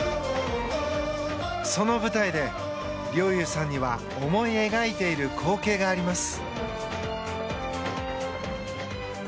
その舞台で、陵侑さんには思い描いている光景があります。